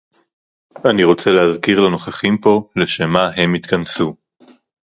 אני רוצה להזכיר לנוכחים פה לשם מה הם התכנסו